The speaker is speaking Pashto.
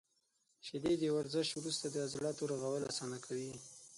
• شیدې د ورزش وروسته د عضلاتو رغول اسانه کوي.